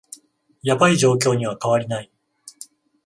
ヤバい状況には変わりない